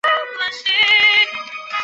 电荷密度也可能会跟位置有关。